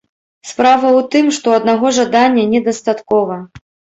Справа ў тым, што аднаго жадання не дастаткова.